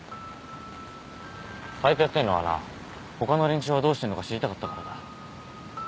サイトやってんのはな他の連中はどうしてんのか知りたかったからだ